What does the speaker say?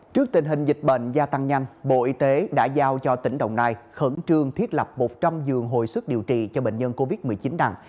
trước tình hình dịch bệnh gia tăng nhanh bộ y tế đã giao cho tỉnh đồng nai khẩn trương thiết lập một trăm linh giường hồi sức điều trị cho bệnh nhân covid một mươi chín nặng